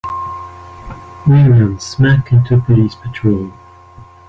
We run smack into a police patrol.